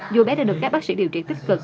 dù bé đã được các bác sĩ điều trị tích cực